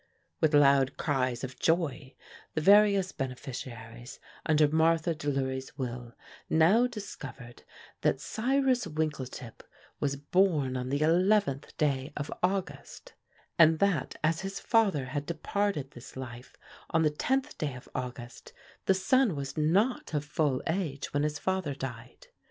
With loud cries of joy, the various beneficiaries under Martha Delury's will now discovered that Cyrus Winkletip was born on the 11th day of August, and that as his father had departed this life on the 10th day of August, the son was not of full age when his father died.